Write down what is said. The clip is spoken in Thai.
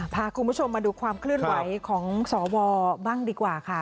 พาคุณผู้ชมมาดูความเคลื่อนไหวของสวบ้างดีกว่าค่ะ